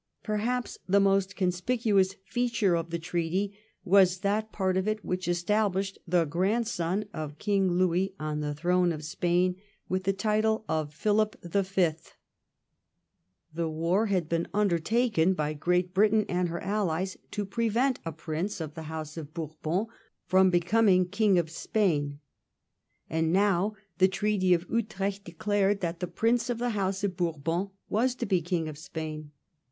Perhaps the most conspicuous feature of the treaty was that part of it which estab lished the grandson of King Louis on the throne of Spain with the title of Philip the Fifth. The war had been undertaken by Great Britain and her allies to prevent a Prince of the House of Bourbon from becoming King of Spain, and now the Treaty of Utrecht declared that the Prince of the House of Bourbon was to be King of Spain.